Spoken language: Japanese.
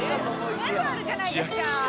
全部あるじゃないですか！